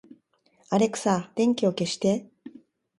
アレクサ、電気を消して